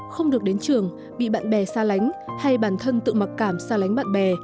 không được đến trường bị bạn bè xa lánh hay bản thân tự mặc cảm xa lánh bạn bè